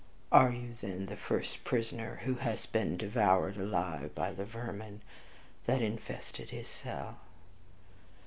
Are you, then, the first prisoner who has been devoured alive by the vermin that infested his cell?